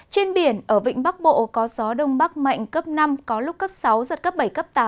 trên biển ở vịnh bắc bộ có gió đông bắc mạnh cấp năm có lúc cấp sáu giật cấp bảy cấp tám